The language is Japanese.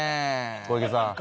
小池さん。